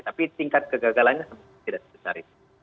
tapi tingkat kegagalannya tidak sebesar itu